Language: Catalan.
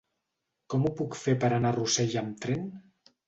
Com ho puc fer per anar a Rossell amb tren?